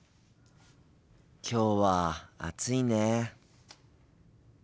きょうは暑いね。